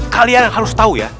kalian harus tau ya